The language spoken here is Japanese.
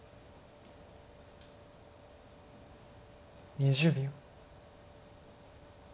２０秒。